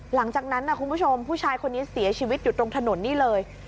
หลังจากนั้นนะคุณผู้ชมผู้ชายคนนี้เสียชีวิตอยู่ตรงถนนนี่เลย